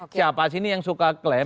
siapa sini yang suka klaim